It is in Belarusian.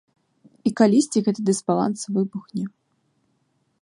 І калісьці гэты дысбаланс выбухне.